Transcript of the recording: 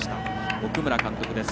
奥村監督です。